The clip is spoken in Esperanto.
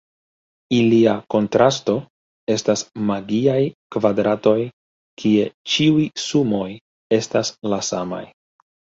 Ilia kontrasto estas magiaj kvadratoj kie ĉiuj sumoj estas la samaj.